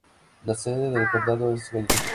La sede del condado es Gallatin.